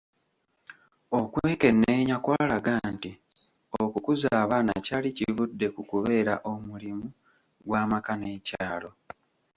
Okwekenneenya kwalaga nti okukuza abaana kyali kivudde ku kubeera omulimu gw’amaka n’ekyalo.